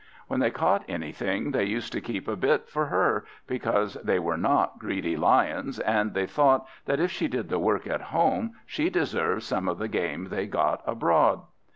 When they caught anything they used to keep a bit for her, because they were not greedy Lions, and they thought that if she did the work at home she deserved some of the game they got abroad.